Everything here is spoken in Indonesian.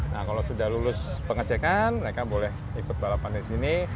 nah kalau sudah lulus pengecekan mereka boleh ikut balapan di sini